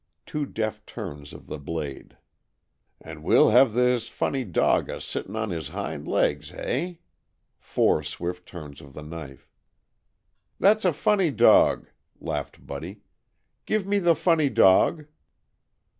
Two deft turns of the blade. "And we'll have this funny dog a sitting on his hind legs, hey?" Four swift turns of the knife. "That's a funny dog!" laughed Buddy. "Give me the funny dog."